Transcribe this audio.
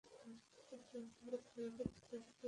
এছাড়া, তিনি পাঞ্জাব বিধানসভার একজন সদস্য ছিলেন।